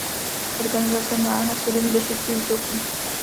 Organizace má na svědomí desítky útoků.